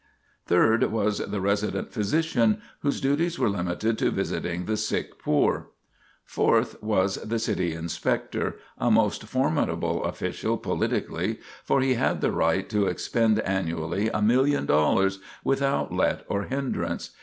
Third, was the Resident Physician, whose duties were limited to visiting the sick poor. Fourth, was the City Inspector, a most formidable official politically, for he had the right to expend annually $1,000,000 without "let or hindrance."